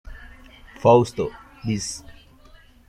Fausto, Bs.